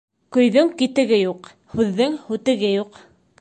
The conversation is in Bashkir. Көйҙөң китеге юҡ, һүҙҙең һүтеге юҡ.